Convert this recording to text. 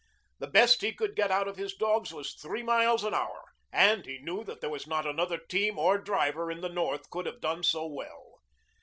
The best he could get out of his dogs was three miles an hour, and he knew that there was not another team or driver in the North could have done so well.